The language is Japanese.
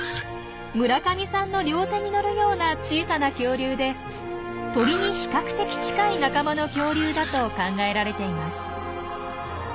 村上さんの両手に乗るような小さな恐竜で鳥に比較的近い仲間の恐竜だと考えられています。